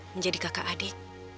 menjadi kakak adik